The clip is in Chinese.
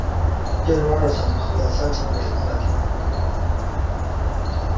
建筑二层和三层为大展厅。